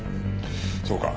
そうか。